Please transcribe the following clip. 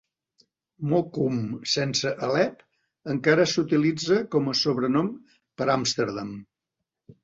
"Mokum", sense "Aleph", encara s'utilitza com a sobrenom per a Amsterdam.